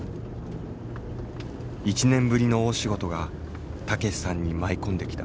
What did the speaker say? １年ぶりの大仕事が武さんに舞い込んできた。